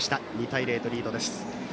２対０とリードです。